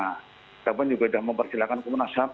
kita pun juga sudah mempersilahkan ke pusko